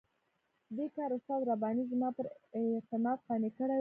دې کار استاد رباني زما پر اعتماد قانع کړی وو.